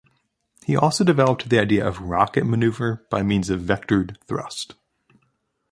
He also developed the idea of rocket maneuver by means of vectored thrust.